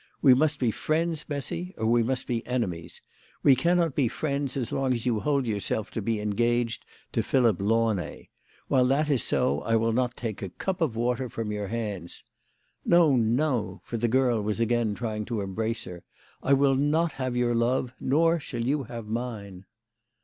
"We must be friends, Bessy, or we must be enemies. "We cannot be friends as long as you hold yourself to be engaged to Philip Launay. "While that is so I will not take a cup of water from your hands. No, no," for the girl was again trying to embrace her. " I will not have your love, nor shall you have mine."